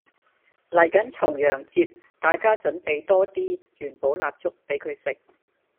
嚟緊重陽節大家準備多啲元寶蠟燭俾佢食